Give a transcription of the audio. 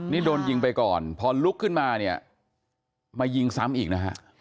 นี่โดนยิงไปก่อนพอลุกขึ้นมาเนี่ยมายิงซ้ำอีกนะฮะ